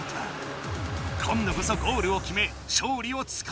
今度こそゴールを決め勝利をつかみとれるか？